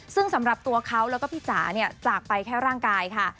ซึ่งสำหรับตัวเขาแล้วก็พี่จ๋าเนี่ยจากไปแค่ร่างกายค่ะ